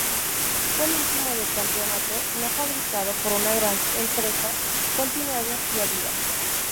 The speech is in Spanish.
Fue el último del campeonato no fabricado por una gran empresa —continuaron y Adidas—.